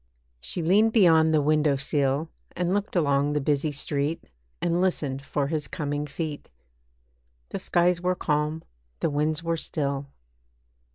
She leaned beyond the window sill, And looked along the busy street, And listened for his coming feet. The skies were calm, the winds were still.